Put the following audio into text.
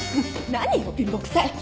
何よ貧乏くさい。